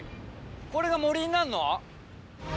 これが森になるの？